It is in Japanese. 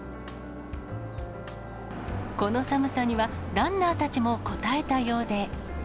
この寒さには、ランナーたちもこたえたようで。